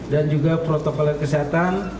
dan juga protokol kesehatan